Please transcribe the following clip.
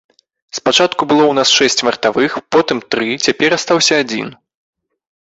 Спачатку было ў нас шэсць вартавых, потым тры, цяпер астаўся адзін.